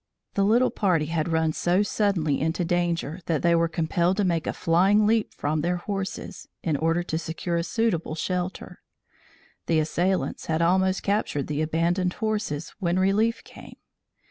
The little party had run so suddenly into danger that they were compelled to make a flying leap from their horses, in order to secure a suitable shelter. The assailants had almost captured the abandoned horses, when relief came.